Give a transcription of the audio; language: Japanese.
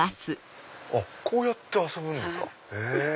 こうやって遊ぶんですか。